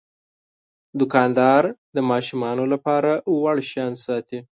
دوکاندار د ماشومانو لپاره وړ شیان ساتي.